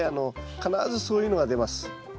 必ずそういうのが出ます。